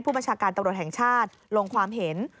บัญชาการตำรวจแห่งชาติลงความเห็น